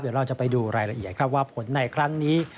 เดี๋ยวเราจะไปดูรายละเอียดครับว่าผลในครั้งนี้